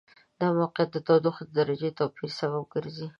دا موقعیت د تودوخې د درجې توپیر سبب ګرځي.